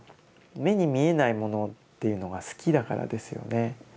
目に見えないものっていうのが好きだからですよね。